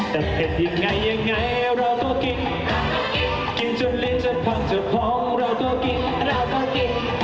แต่เผ็ดยังไงเราก็กินกินจนลิ้นจะพังจะพร้อมเราก็กิน